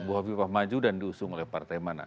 bu hovifah maju dan diusung oleh partai mana